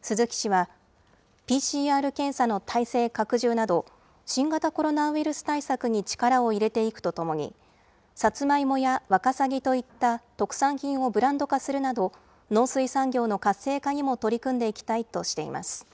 鈴木氏は、ＰＣＲ検査の態勢拡充など、新型コロナウイルス対策に力を入れていくとともに、さつまいもやワカサギといった特産品をブランド化するなど、農水産業の活性化にも取り組んでいきたいとしています。